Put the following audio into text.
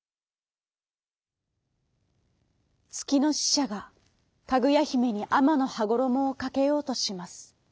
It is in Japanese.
つきのししゃがかぐやひめにあまのはごろもをかけようとします。